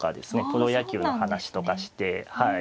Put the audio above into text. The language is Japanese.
プロ野球の話とかして。